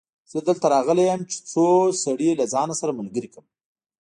زه دلته راغلی يم چې څو سړي له ځانه سره ملګري کړم.